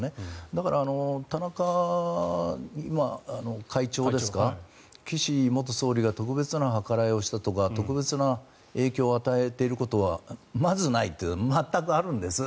だから田中会長ですか岸元総理が特別な計らいをしたとか特別な影響を与えていることはまずないって全くあるんです。